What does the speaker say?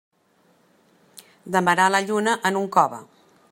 Demanar la lluna en un cove.